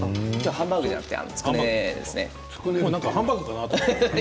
ハンバーグではなくてつくねですね。